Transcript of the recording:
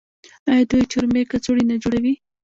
آیا دوی چرمي کڅوړې نه جوړوي؟